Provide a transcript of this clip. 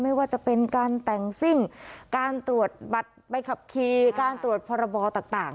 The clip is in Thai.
ไม่ว่าจะเป็นการแต่งซิ่งการตรวจบัตรใบขับขี่การตรวจพรบต่าง